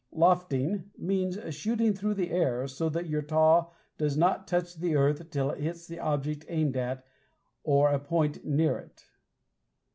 Lofting means shooting through the air, so that your taw does not touch the earth till it hits the object aimed at or a point near it.